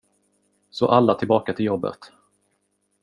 Så alla tillbaka till jobbet.